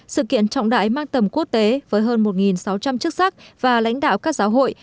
sự kiện trọng đại mang tầm quốc tế với hơn một sáu trăm linh chức sắc và lãnh đạo các giáo hội